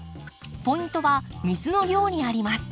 ポイントは水の量にあります。